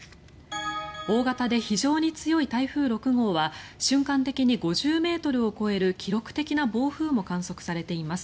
大型で非常に強い台風６号は瞬間的に５０ｍを超える記録的な暴風も観測されています。